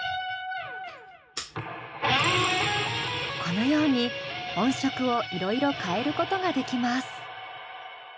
このように音色をいろいろ変えることができます。